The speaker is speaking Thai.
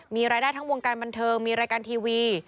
มีรายได้ทั้งวงการบันเทิงมีรายการทีวี